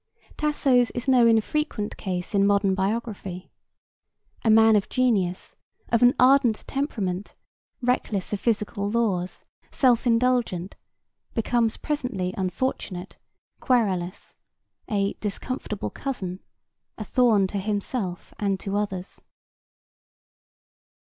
Tasso's is no infrequent case in modern biography. A man of genius, of an ardent temperament, reckless of physical laws, self indulgent, becomes presently unfortunate, querulous, a "discomfortable cousin," a thorn to himself and to others.